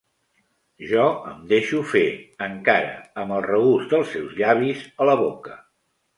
Jo em deixo fer, encara amb el regust dels seus llavis a la boca.